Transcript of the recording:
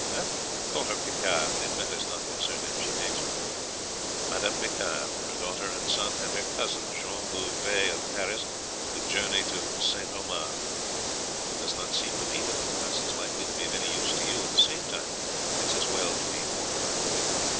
"Call her Picard: it matters not what surname she takes." "Madame Picard, her daughter and son, and her cousin Jean Bouvray of Paris, to journey to St. Omer. It does not seem to me that the pass is likely to be of any use to you; at the same time it is as well to be fortified with it.